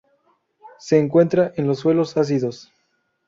Se encuentra en los suelos ácidos.